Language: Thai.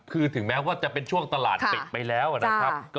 คือถึงแม้ว่าจะเป็นช่วงตลาดปิดไปแล้วนะครับ